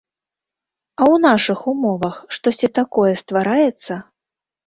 А ў нашых умовах штосьці такое ствараецца?